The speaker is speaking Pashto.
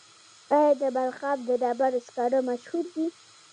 آیا د بلخاب د ډبرو سکاره مشهور دي؟